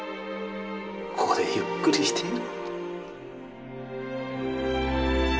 ここでゆっくりしていろ